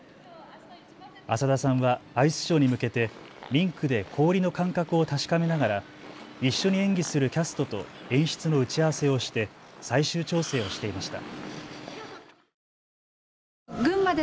浅田さんはアイスショーに向けてリンクで氷の感覚を確かめながら一緒に演技するキャストと演出の打ち合わせをして最終調整をしていました。